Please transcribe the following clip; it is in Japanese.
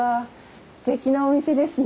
すてきなお店ですね。